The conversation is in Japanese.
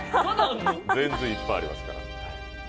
全然いっぱいありますから。